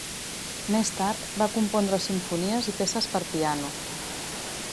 Més tard va compondre simfonies i peces per a piano.